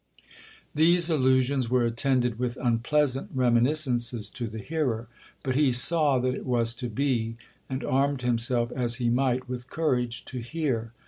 'These allusions were attended with unpleasant reminiscences to the hearer,—but he saw that it was to be, and armed himself as he might with courage to hear.